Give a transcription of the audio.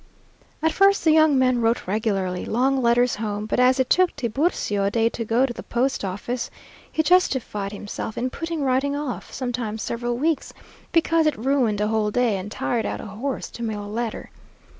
At first the young man wrote regularly long letters home, but as it took Tiburcio a day to go to the post office, he justified himself in putting writing off, sometimes several weeks, because it ruined a whole day and tired out a horse to mail a letter.